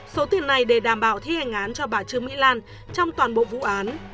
số tiền này để đảm bảo thi hành án cho bà trương mỹ lan trong toàn bộ vụ án